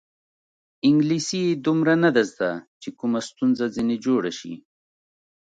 انګلیسي یې دومره نه ده زده چې کومه ستونزه ځنې جوړه شي.